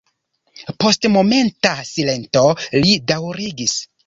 Post momenta silento li daŭrigis.